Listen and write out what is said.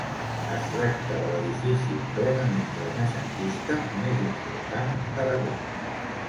Es tracta de l'edifici plenament renaixentista més important d'Aragó.